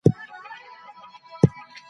هلمند د هر افغان لپاره د ویاړ ځای دی.